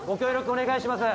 お願いします